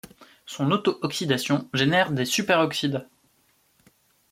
Son auto-oxydation génère des superoxides.